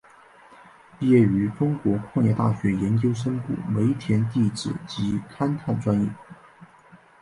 毕业于中国矿业大学研究生部煤田地质及勘探专业。